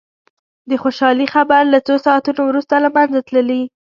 د خوشالي خبر له څو ساعتونو وروسته له منځه تللي.